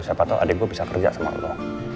siapa tau adik gua bisa kerja sama lu